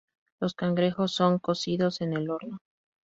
Los cangrejos son cocidos en el horno.